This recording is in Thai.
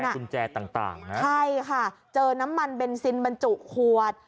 กุญแจต่างนะใช่ค่ะเจอน้ำมันเบนซินบรรจุขวด